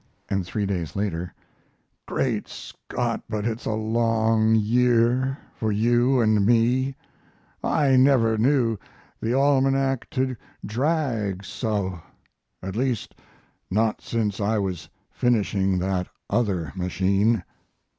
And three days later: Great Scott, but it's a long year for you & me! I never knew the almanac to drag so. At least not since I was finishing that other machine.